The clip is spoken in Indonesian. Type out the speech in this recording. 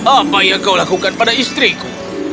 apa yang kau lakukan pada istriku